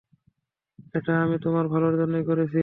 এটা আমি তোমার ভালোর জন্যই করছি।